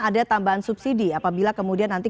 ada tambahan subsidi apabila kemudian nanti